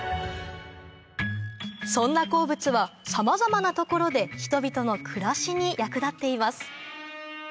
そんな鉱物はさまざまなところで人々の暮らしに役立っています